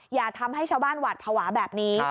อย่าทำให้ชาวบ้านหวัดภาวะแบบนี้